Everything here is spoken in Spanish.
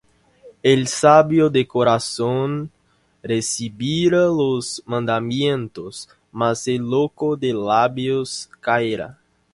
El sabio de corazón recibirá los mandamientos: Mas el loco de labios caerá.